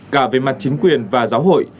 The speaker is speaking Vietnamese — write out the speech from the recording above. cả về mặt chính quyền và giáo hội